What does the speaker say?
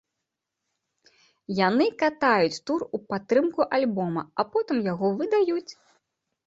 Яны катаюць тур у падтрымку альбома, а потым яго выдаюць.